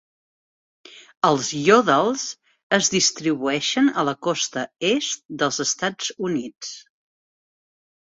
Els Yodels es distribueixen a la costa est dels Estats Units.